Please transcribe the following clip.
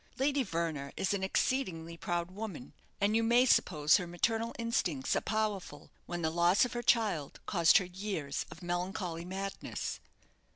Lady Verner is an exceedingly proud woman, and you may suppose her maternal instincts are powerful, when the loss of her child caused her years of melancholy madness.